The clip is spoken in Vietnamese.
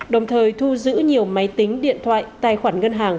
đồng thời thu giữ nhiều máy tính điện thoại tài khoản ngân hàng